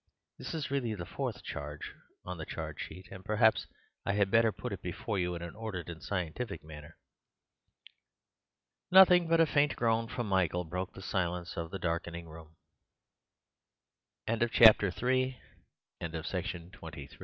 This is really the fourth charge on the charge sheet, and perhaps I had better put it before you in an ordered and scientific manner." Nothing but a faint groan from Michael broke the silence of the darkening room. Chapter IV The Wild Weddings; or, the